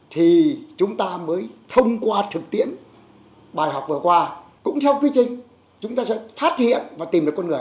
thì chúng ta mới thông qua thực tiễn bài học vừa qua cũng theo quy trình chúng ta sẽ phát hiện và tìm được con người